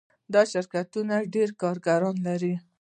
دا شرکتونه ډیر کارګران لري.